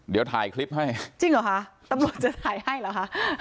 เดี๋ยวถ่ายคลิปให้จริงเหรอคะตำรวจจะถ่ายให้เหรอคะ